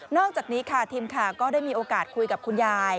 อกจากนี้ค่ะทีมข่าวก็ได้มีโอกาสคุยกับคุณยาย